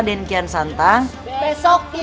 kalau saya t sansang musti di sini